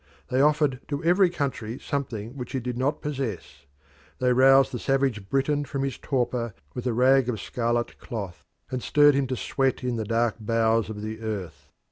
They offered to every country something which it did not possess. They roused the savage Briton from his torpor with a rag of scarlet cloth, and stirred him to sweat in the dark bowels of the earth.